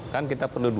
kan kita perlu dua belas